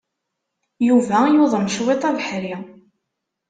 Yuba yuḍen cwiṭ abeḥri.